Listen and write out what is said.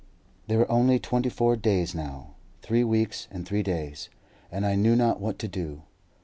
There were only twenty four days now. Three weeks and three days, and I knew not what to do.